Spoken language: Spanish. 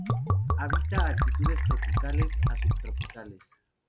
Habita latitudes tropicales a subtropicales.